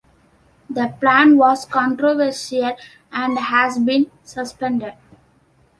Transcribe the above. The plan was controversial, and has been suspended.